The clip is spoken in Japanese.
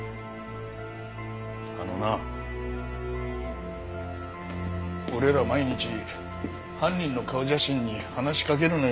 あのな俺らは毎日犯人の顔写真に話しかけるのよ。